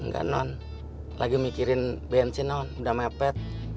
nggak non lagi mikirin bensin non udah mepet